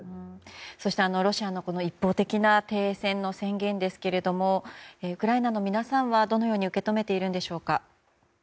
そして、このロシアの一方的な停戦の宣言ですがウクライナの皆さんはどのように受け止めているのでしょうか？